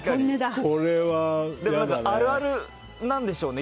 あるあるなんでしょうね。